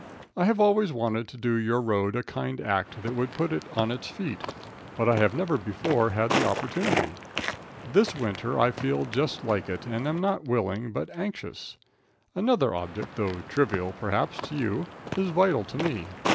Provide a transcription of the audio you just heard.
I have always wanted to do your road a kind act that would put it on its feet, but I have never before had the opportunity. This winter I feel just like it, and am not willing, but anxious. Another object, though trivial, perhaps, to you, is vital to me.